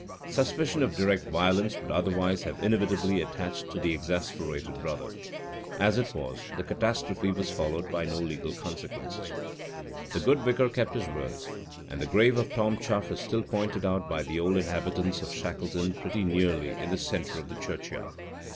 Suspicion of direct violence would otherwise have inevitably attached to the exasperated brother. As it was, the catastrophe was followed by no legal consequences. The good vicar kept his word, and the grave of Tom Chuff is still pointed out by the old inhabitants of Shackleton pretty nearly in the centre of the churchyard.